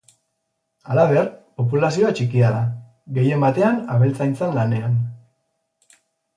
Halaber, populazioa txikia da, gehien batean abeltzaintzan lanean.